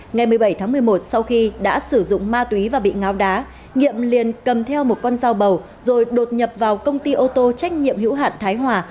ngày một mươi bảy tháng một mươi một sau khi đã sử dụng ma túy và bị ngáo đá nhiệm liền cầm theo một con dao bầu rồi đột nhập vào công ty ô tô trách nhiệm hữu hạn thái hòa